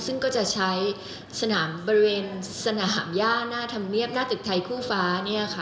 ซึ่งก็จะใช้สนามบริเวณสนามย่าหน้าธรรมเนียบหน้าตึกไทยคู่ฟ้า